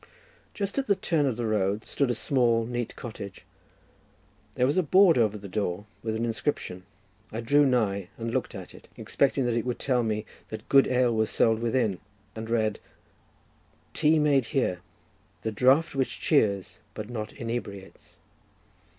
Just at the turn of the road stood a small, neat cottage. There was a board over the door with an inscription. I drew nigh and looked at it, expecting that it would tell me that good ale was sold within, and read "Tea made here, the draught which cheers but not inebriates."